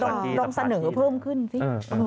ลองเสนอเพิ่มขึ้นสิ